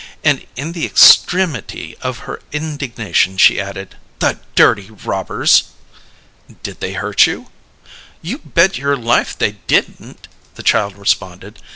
And in the extremity of her indignation, she added: "The dirty robbers!" "Did they hurt you?" "You bet your life they didn't!" the child responded.